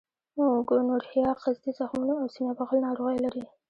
ګونورهیا قصدي زخمونو او سینه بغل ناروغۍ لري.